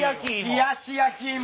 冷やし焼き芋。